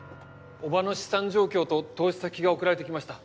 叔母の資産状況と投資先が送られてきました。